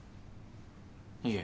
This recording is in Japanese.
いえ。